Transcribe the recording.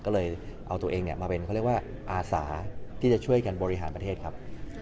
ตัวเองมาเป็นอาศาที่จะช่วยกันบริหารประเทศครับ